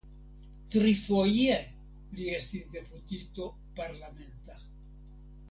Trifoje li estis deputito parlamenta.